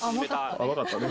甘かったね。